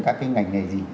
các cái ngành này gì